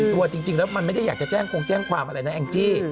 ตัวจริงแล้วมันไม่ได้อยากจะแจ้งคงแจ้งความอะไรนะแองจี้